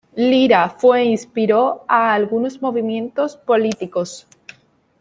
Lira fue inspiró a algunos movimientos políticos.